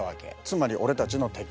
つまり俺たちの敵。